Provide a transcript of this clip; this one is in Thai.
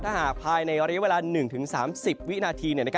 ถ้าหากภายในระยะเวลา๑๓๐วินาที